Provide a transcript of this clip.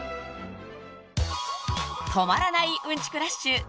［止まらないうんちくラッシュ］